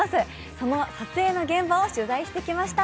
その撮影の現場を取材してきました。